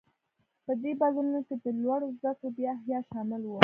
په دې بدلونونو کې د لوړو زده کړو بیا احیا شامل و.